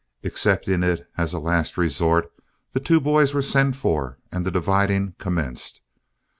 Accepting it as a last resort, the two boys were sent for and the dividing commenced.